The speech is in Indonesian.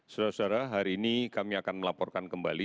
saudara saudara hari ini kami akan melaporkan kembali